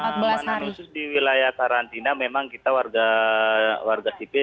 pengamanan khusus di wilayah karantina memang kita warga sipil